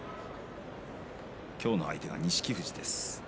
今日の相手は錦富士です。